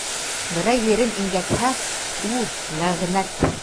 Берәй ерен имгәтһә, у ләғнәт!